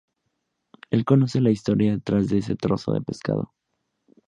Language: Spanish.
Él conoce la historia detrás ese trozo de pescado.